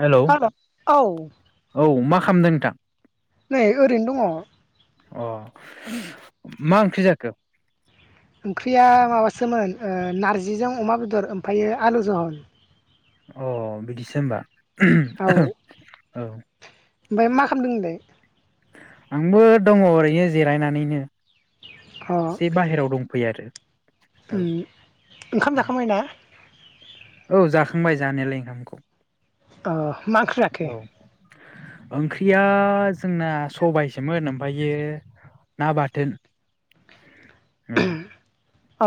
Hello hello औ औ मा खामदों नोंथां नै ओरैनो दङ अ मा ओंख्रि जाखो? ओंख्रिया माबासोमोन ओ नारजिजों अमा बेदर ओमफायो आलु जहल अ बिदिसो होमबा [inaudible] औ ओमफाय मा खालामदों नोंलाय आंबो दङ ओरैनो जिरायनानैनो अ से बाहेराव दंफैयो आरो औ उम ओंखाम जाखांबाय ना औ जाखांबाय जानायालाय ओंखामखौ अ मा ओंख्रि जाखो औ ओंख्रिया जोंना सबायसोमोन ओमफायो ना बाथोन औ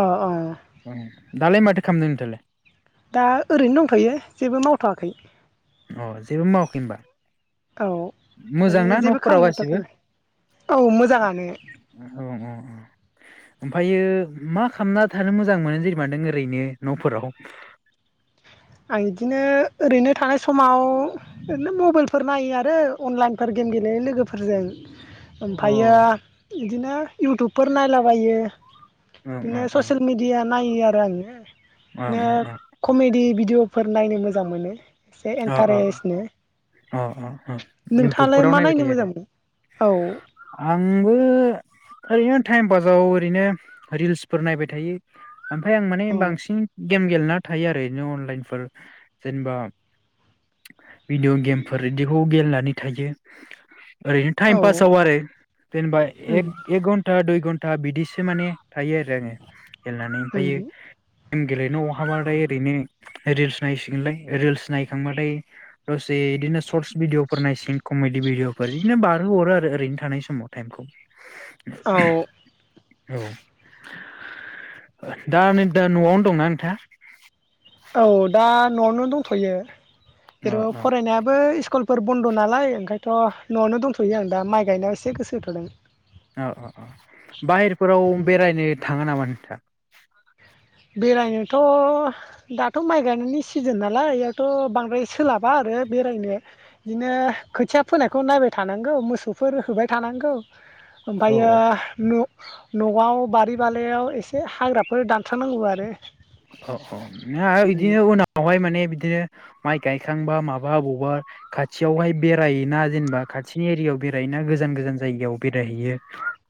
अ अ ओम दालाय माथो खालामदों नोंथाङालाय? दा ओरैनो दंथ'यो जेबो मावथ'वाखै अ जेबो मावाखै होमबा औ माने जेबो न'फोराव गासिबो खामानि [unintelligible] औ मोजां ओमफायो मा खालामना थानो मोजां मोनो जेनेबा नों ओरैनो न'फोराव? आं इदिनो ओरैनो थानाय समाव ओरैनो मबाइलफोर नायो आरो अनलाइनफोर गेम गेलेयो लोगोफोरजों ओमफायो ओं इदिनो इउटुबफोर नायलाबायो ओं इदिनो ओं ससेल मिडिया नायो आरो आङो ओं ओ ओं कमेडि भि डिअफोर नायनो मोजां मोनो अ अ अ इन्टारेस्टनो अ अ अ नोंथाङालाय इउटुबफोराव मा नायबाय नायनो थायो आरो मोजां मोनो औ आंबो ओरैनो टाइम पासाव ओरैनो रिल्सफोर नायबाय थायो ओमफ्राय आं माने औ बांसिन गेम गेलेना थायो आरो ओरैनो अनलाइनफोर जेनेबा। भिदिअ' गेमफोर बिदिखौ गेले थायो ओरैनो औ टाइम पासाव आरो जेनेबा एक उम एक घन्टा दुइ घन्टा बिदिसो माने थायो आरो आङो गेलेनानै ओमफायो उम गेम गेलेनो अहाबाथाय ओरैनो रिल्स नायसिगोनलाय रिल्स नाय खांबाथाय दसे इदिनो सरस बिडिअ फोर नायसि [unintelligible] कमेडि भिडिअफोर बिदिनो बारहो हरो आरो ओरैनो थानाय समाव टाइमखौ औ [unintelligible] औ दा [unintelligible] न'आवनो दंना नोंथाङा औ दा न'आवनो दंथ'यो अ र फरायनायाबो इसकल फोर बन्द' नालाय ओंखायनथ' न'आवनो दंथ'यो आं दा माइ गायनायाव एसे गोसो होथ'दों ओ-ओ-ओ बाहेरफोराव बेरायनो थाङो नामा नोंथां बेरायनोथ' दाथ' माइ गायनायनि सिजोन नालाय बेयावथ' बांद्राय सोलाबा आरो बेरायनो बिदिनो खोथिया फोनायखौ नायबाय थानांगौ मोसौफोर होबाय थानांगौ औ ओमफायो न' न'आव बारि बालायाव एसे हाग्राफोर दान स्रां नांगौ आरो अ औ बिदिनो उनावहाय माने बिदिनो माइ गायखांबा माबा अबावबा खाथियावहाय बेरोना जेनेबा खाथिनि एरियायाव बेरायोना गोजान गोजान जायगायाव बेरायहैयो?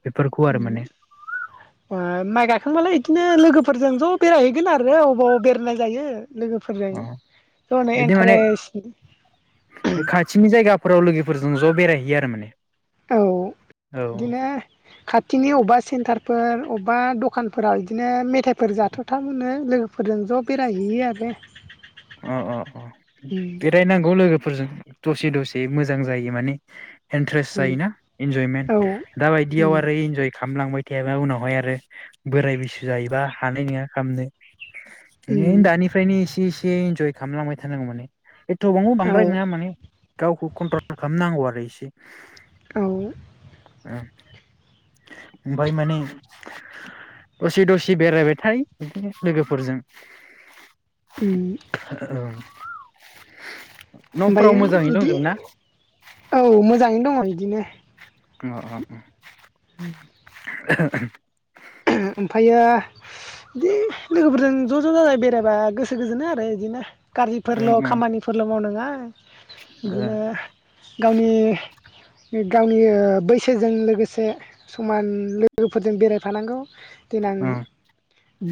बेफोरखौ आरो माने ओम [unintelligible] थांबालाय बिदिनो लोगोफोरजों ज' बेरायहैगोन आरो अबेबा अबाव बेरायनाय जायो। लोगोफोरजों अ ज'नो बिदि माने इन्टारेस्ट खाथिनि जायगाफोराव लोगोफोर जों ज' बेरायहैयो आरो मा औ बिदिनो खाथिनि अबेबा सेन्टार फोर अबेबा दखानफोराव बिदिनो मे फोर जाथाव थाव मो लोगोफोरजों ज' बेरायहैयो आरो अ अ अ बेरायनांगौ लोगोफोर दसे दसे मोजां जायो माने इन्ट्रेस्ट जायोना औ इन्जयमेन्ट दा बायदियाव आरो इन्जय खा खामलांबाय थायाबा उनावहाय आरो बोराय बैसो जायोबा हानाय नङा खामनो बिनि दानिफ्रायनो एसे एस े इन्जय खामलांबाय थानांगौ माने थबां औ बांद्राय नङा माने गावखौ कन्ट्रल खालामनांगौ आरो इ से औ ओमफाय माने दसे दसे बेरायबायथाय बिदिनो लोगोफोरजों। उम औ [inaudible] ओमफ्राय बिदि औ मोजाङैनो दङ बिदिनो। ओ अ ओ [inaudible] ओमफायो बिदि लोगोफोरजों ज' ज' जाजाय बेरायबा गोसो गोजोनो आरो इदिनो ओं गाज्रिफोरल' ओं खामानिफोरल' मावनाङा [unintelligible] ओ बिदिनो गावनि नै गावनि ओ बैसोजों लोगोसे समान लोगोफोरजों बेरायफानांगौ देनां ओं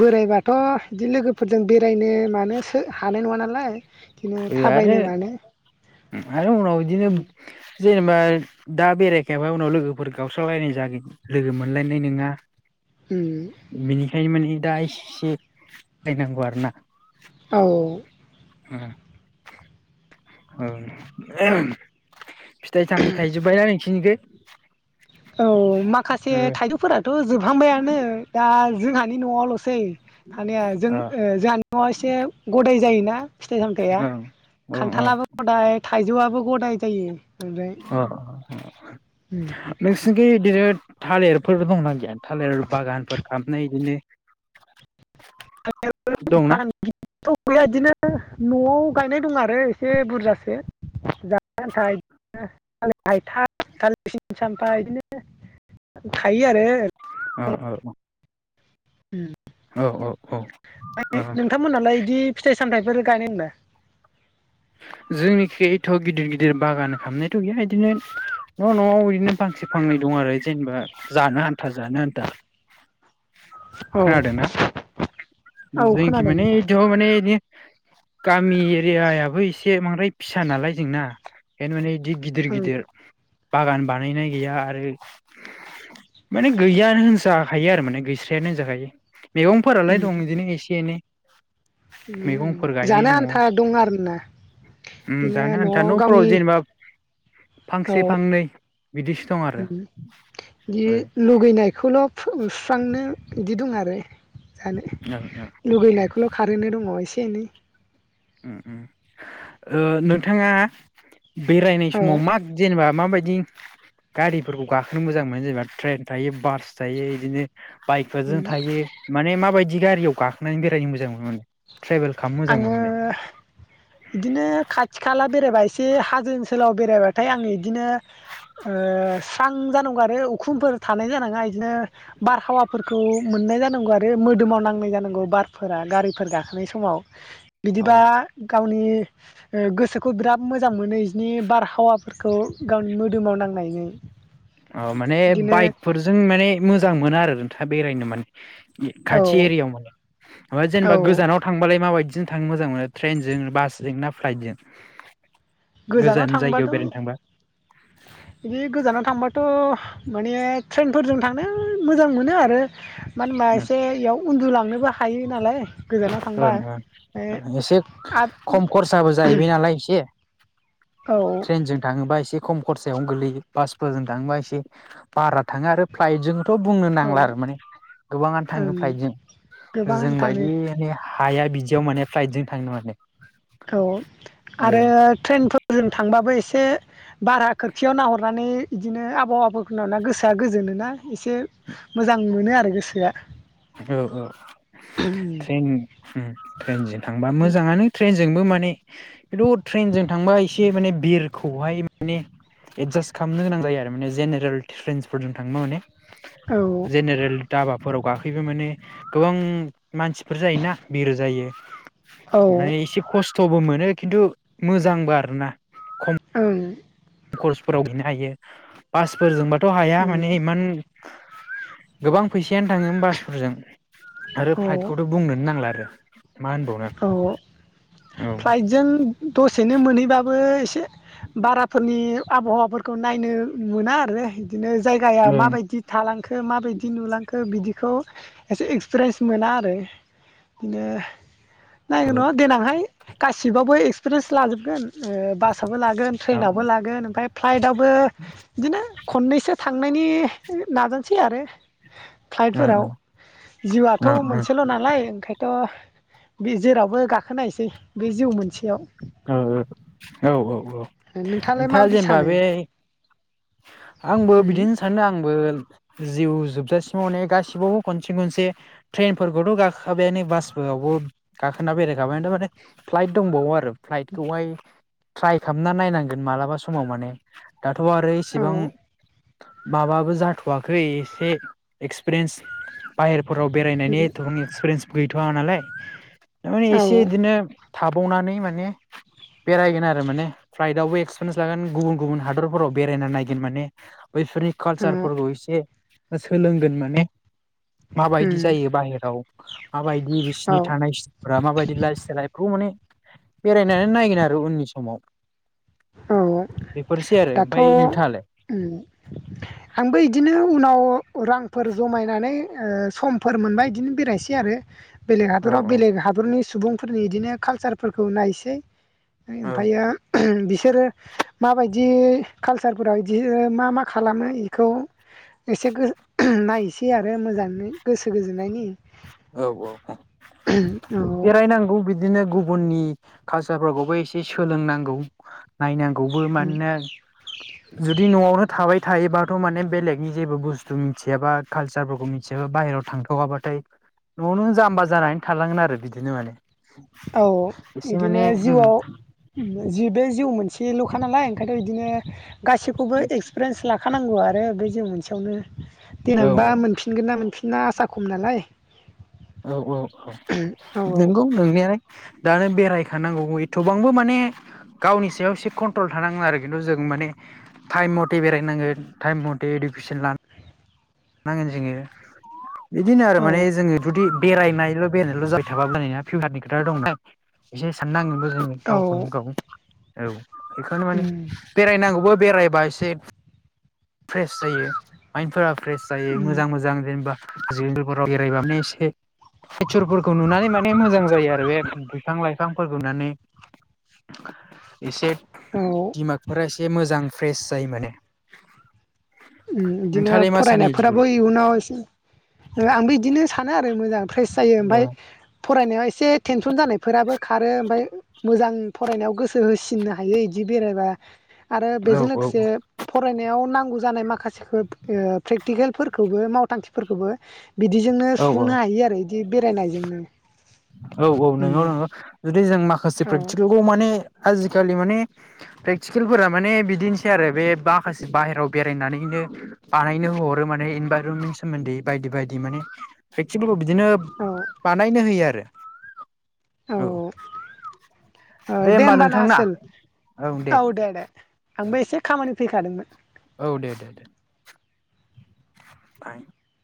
बोरायबाथ' बिदि लोगोफोरजों बेरायनो मानो सो हानाय नङा नालाय बिदिनो ओ आरो थाबायनो मानो आरो उनाव इदिनो जेनेबा दा बेरायखायाबा उनाव लोगोफोर गावस्रालायनाय जागोन लोगो मोनलायनाय नङा बिनिखाय माने दा इससि रायनांगौ आरो ना औ ओ ओ [unintelligible] फिथाय सामथाइ थायजोबबाय ना नोंसिरनिखै औ माखासे ओ थायजौफोराथ' जोबहांबायानो दा जोंहानि न'आवल'सो सै थानाया जों ओ जोंहानि न'आव एसे गदाय जायोना फिथाइ सामथाइया ओं अ खान्थालाबो गदाय था थाइजौआबो गदाय जायो ओमफ्राय अ-अ [unintelligible] गैया नोसिनिखै दे दोद थालेरफोर दंना गैया थालेर बागानफोर खालामनाय इदिनो [unintelligible] दंना गैया बिदिनो न'आव गायनाय दं आरो एसे बुरजासे जानो आन्था आरोना थालिर हायथा थालिर सिम सामफा बिदिनो थायो आरो अ अ औ औ औ औ औ नोंथांमोनहालाय बिदि फिथाइ सामथाइफोर [unintelligible] जोंनिखि एथ' गिदिर गिदिर बागान खालामनायथ' गैया इदिनो न' न'आव इदिनो फांसे फांनै दं आरो जेनेबा जानो आन्था जानो आन्था होनदों खोनादोंना औ जोंनिखि खोनादों माने [unintelligible] माने इदि गामि एरियाबो इसे एसे बांद्राय फिसा नालाय जोंना बेखायनो माने बिदि गिदिर ओं गिदिर बागान बानायनाय गैया आरो माने गैयैयानो होनजाखायो आरो माने गैस्रायानो होनजाखायो मैगंफोरालाय दं बिदिनो एसे एनै मैगंफोर जानो आन्था दं आरोना ओम बिदिनो जानो आन्था न'आव न'फोराव गावनि जेनेबा फांसे औ फांनै बिदिसो दं आरो बि ओ लुगैनायखौल' फो बिदि दं आरो जानो ओं ओं लुगैनायखौल' खारैनो दङ एसे [unintelligible] ओम ओम ओ नोंथाङा बेरायनाय औ समाव माग जेनेबा माबायदि गारिफोरखौ गाखोनो मोजां मोनो जेनेबा ट्रेन थायो बास थायो इदिनो बाइकफोरजों थायो माने मा बायदि गारियाव गाखोनानै बेरायनो मोजां माने ट्रेभेल खालामनो मोजां मोनो आङो माने बिदिनो खाथि खाला बेरायबा एसे हाजो ओनसोलाव बेरायबाथाय आं इदिनो ओ स्रां जानांगौ आरो उखुमफोर थानाय जानाङा इदिनो बारहावाफोरखौ मोननाय जानांगौ आरो मोदोमाव नांनाय जानांगौ बारफोरा गारिफोर गाखोनाय समा समाव बिदिबा गाव गोसोखौ बिराद मोजां मोनो नैजिनि बारहावा फोरखौ गावनि मोदोमाव नांनायनि औ माने बाइकफोरजों माने मोजां मोना आरो बेरायनो माने औ खाथि एरियायाव मोनो ओमफाय औ जेनेबा गोजानाव थांबालाय माबायदि माजों थांनो मोजां मोनो ट्रेनजों बासजों ना फ्लाइटजों? गोजानाव गोजान जायगायाव थांबाथ' बेरायनो थांबा बिदि गोजानाव थांबाथ' माने ट्रेनफोरजों थांनो मोजां मोनो आरो। मानो होनबा ओं एसे इयाव उन्दुलांनोबो हायो नालाय गोजानाव थांबा ओं ओ ओं एसे खम खरसाबो जाहैबाय नालाय एसे आरो ट्रेनजों थाङोबा एसे खम खरसायावनो गोगलैयो बासफोरजों थाङोबा एसे बारा थाङो आरो फ्लाइटजों थ' बुंनो औ नांला औ आरो माने गोबाङानो ओं थाङो फ्लाइटजों गोबां जोंबाय थाङो बि माने हाया बिदियाव माने फ्लाइटजों थांनोै [unintelligible] औ आरो ट्रेनफोर जों थांबाबो एसे भारा खोरखियाव नाहरनानै बिदिनो आबहावाफोरखौ नुना गोसोआ गोजोन ना एसे मोजां मोनो आरो गोसोआ औ औ ट्रेन ट्रेनजों थांबा मोजाङानो ट्रेनज जोंबो माने खिन्थु ट्रेनजों थांबा एसे माने बिरखौहाय माने एदजास्ट खाम नो गोनां जायो आरो माने जेनेरेल ट्रेनसफोरजों थांबा माने औ जेनेरेल दाबा फोराव गाखो बो माने गोबां मानसिफोर जायोना बिरो जायो औ माने एसे खस्ट बो मोनो खिन्थु मोजांबो आरो ना म [unintelligible] कर्स फोराव हैनो हायो बास फोरजोंबा थ' हाया माने इमान गोबां फै यानो थाङोमोन बासफोरजों आरो औ फ्लाइटखौथ' बुंनोनो नांला आरो मा होनबावनो औ औ फ्लाइटजों दसेनो मोनहैबाबो एसे बाराफोरनि आबहावाफोरखौ नायनो मोना आरो बिदिनो जायगाया ओं औ माबायदि थालांखो माबायदि नुलांखो बिदि बेखौ एसे एक्सपिरियेन्स मोना आरो बिदिनो नायगौ ओं नङा देनांहाय गासिबाबो ए रेस लाजोबगोन। ओ बासावबो लागोन ट्रेनावबो लागोन ओमफाय [unintelligible] बो बिदिनो खननैसो थांनायनि नाजानोसै आरो ओं फ्लाइटफोराव ओं जिउआथ' मोनसेल' नालाय ओंखाय थ' बे जेरावबो गाखोनायसै बे जिउ मोनसेयाव ओ ओ औ औ नोंथाङालाय नोंथा माबायदि जेनेबा सानो बे आंबो बिदिनो सानो आंबो जिउ जोबजासिमाव माने गासिबावबो खनसे खनसे ट्रेनफोरखौथ' गाखाबाय नो बासफोरावबो गाखोना बेरायखाबायानो थ' माने फ्लाइट दंबावो आरो फ्लाइटखौहाय ट्राइ खालामना नायनांगोन मालाबा समाव माने दाथ' आरो औ इसेबां माबाबो जाथ'वाखै एसे एक्सपिरियेन्स बाहेर फोराव बेरायनायनि एथबां एक्सपिरियेन्स गैथ'वा नालाय माबानि एसे औ इदिनो थाबावनानै माने बेरायगोन आरो माने फ्लाइटवबो एक्सपिरिेन्स लागोन गुबुन गुबुन हादरफोराव बेरायना नायगोन माने बैफोरनि औ कालसारफोरखौ एसे सोलोंगोन माने माबायदि जायो बाहेराव माबायदि बिसिनि औ थानायफ्रा सिथाइलफ्रा माबायदि लाइफ सिथायलखौ माने बेरायनानै नायगोन आरो उननि समाव औ बेफोरसै आरो दाथ' ओमफ्राय नोंथाङालाय आंबो इदिनो उनाव रांफोर जमायनानै समफोर मोनबाय बिदिनो बेरायनोसै आरो बेलेग औ हादराव औ बेलेग हादरनि सुबुंफोरनि इदिनो कालचारफोरखौ नायसै औ ओमफायो माबायदि कालसारफोराव बिदि मा मा खालामो बेखौ एसे नायसै आरो मोजाङै गोसो गोजोननायनि औ औ ओम बेरायनांगौ बिदिनो गुबुननि कालसारफोरखौबो एसे सोलोंनांगौ। नायनांगौबो मानोना जुदि न'आवनो थाबाय थायोबाथ' माने बेलेगनि जेबो बुस्थु मिथियाबा कालसारफोरखौ मिथियाबा बाहेरायाव थांथ'वाबाथाय न'आवनो जाम्बा जानानै थालांगोन आरो बिदिनो माने औ एसे माने बिदिनो उम जिउआव जि बे जिउ मोनसे बे ल'खा नालाय ओंखायनो इदिनो गाैखौबो एक्सपिरियन्स लाखानां नांगौ आरो बे जों मोनसेयावनो औ देनांबा मोनफिनगोन ना मोनफि ना आसा खम नालाय औ औ औ औ नंगौ नोंनायालाय दानो बेरायखानांगौ एथ'बांबो माने गावनि सायाव एसे कन्ट्रल थानाङो आरो खिन्थु जों माने टाइम मथे बेरायनांगोन टाइम मथे इडुकेसन लान नांगोन जोङो बिदिनो आरो माने औ जोङो जुदि बेरायनायल' बेरायनायल' [unintelligible] एसे साननांगोनबो। औ गावखौनो गाव औ बेखौनो माने उम बेरायनांगौबो बेरायबा एसे फ्रेस जायो माइनफोरा फ्रेस जायो उम मोजां मोजां जेनेबा [unintelligible] नेटसार फोरखौ नुनानै माने मोजां जायो आरो बे बिफां-लाइफांफोरखौ नुनानै एसे औ दिमागफोरा एसे मोजां फ्रेस जायो माने ओम इदिनो नोंथाङालाय मा सानो फरायना फोराबो बिदिखौलाय इयुनाव एसे ओ आंबो इदिनो सानो मोजां फ्रेस जायो ओमफाय फरायनायाव एसे टेनसन जानायफोराबो खारो ओमफाय मोजां फरायनायाव गोसो होसिननो हायो इदि बेरायबा आरो औ औ बेजों औ लोगोसे फरायनायाव नांगौ जानाय मा खासेखो ओ प्रेक्टिकेलफोरखोबो मावथांखिफोरखोबो बिदिजोंनो औ सुफुंनो हायो आरो इदि बेरायनायजोंनो औ औ नोंगौ उम नोंगौ जुदि जों माखासे औ प्रेक्टिकेलखौ माने आजि खालि माने प्रेकटिकेलफोरा माने बिदिनोसै आरो बे माखासे बाहेरायाव बेरायनानैनो बानायनो हरो माने इनभाइरनमेन्ट सोमोन्दै बायदि बायदि मानेे प्रेक थिफोरखौ बिदिनो औ बानायनो होयो आर औ औ दे होमबा होनोमबाना नोंथांना आसोल औ दे दे आंबो एसे खामानि फैखादोंमोन औ दे दे दे बाइ